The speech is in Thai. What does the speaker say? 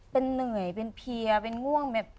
เป็นเหนื่อยเป็นเพียเป็นง่วงแบบ